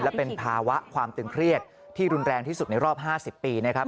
และเป็นภาวะความตึงเครียดที่รุนแรงที่สุดในรอบ๕๐ปีนะครับ